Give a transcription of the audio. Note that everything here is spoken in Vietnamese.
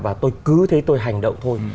và tôi cứ thấy tôi hành động thôi